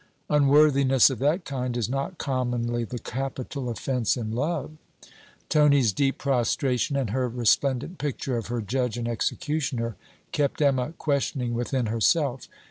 Unworthiness of that kind, is not commonly the capital offence in love. Tony's deep prostration and her resplendent picture of her judge and executioner, kept Emma questioning within herself.